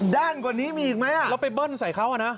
ด้านกว่านี้มีอีกไหมแล้วไปเบิ้ลใส่เขาอ่ะนะ